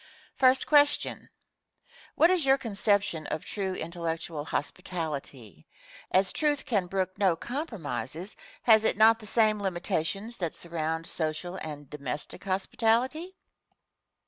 ] Question. What is your conception of true intellectual hospitality? As Truth can brook no compromises, has it not the same limitations that surround social and domestic hospitality?